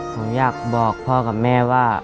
ผมอยากบอกพ่อกับแม่ว่า